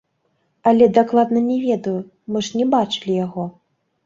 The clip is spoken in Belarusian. Але дакладна не ведаю, мы ж не бачылі яго.